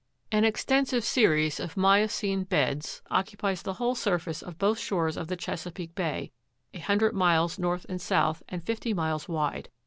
17. An extensive series of miocene beds occupies the whole surface of both shores of the Chesapeake Bay, a hundred miles north and south, and fifty miles wide.